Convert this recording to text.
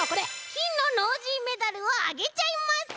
きんのノージーメダルをあげちゃいます！